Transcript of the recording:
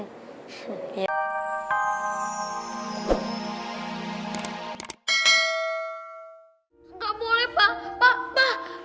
gak boleh pak pak pak